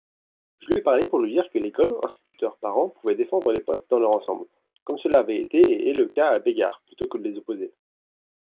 je lui ai parlé pour lui dire que l'école (instituteurs, parents) pouvait défendre les postes dans leur ensemble (comme cela avait été et est le cas à Bégard) plutôt que de les opposer.